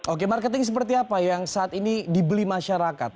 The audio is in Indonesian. oke marketing seperti apa yang saat ini dibeli masyarakat